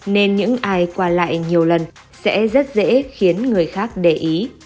nên những ai qua lại nhiều lần sẽ rất dễ khiến người khác để ý